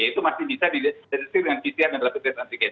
itu masih bisa dideteksi dengan pcr dan rapid test antigen